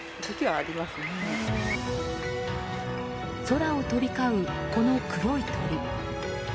空を飛び交う、この黒い鳥。